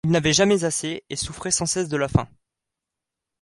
Il n’avait jamais assez, et souffrait sans cesse de la faim.